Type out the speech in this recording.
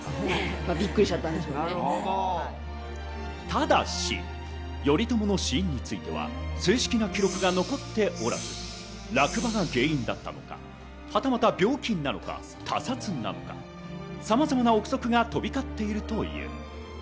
ただし、頼朝の死因については正式な記録が残ってはおらず、落馬が原因だったのか、はたまた病気なのか、他殺なのか、さまざまな臆測が飛び交っているという。